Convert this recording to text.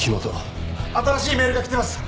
新しいメールが来てます。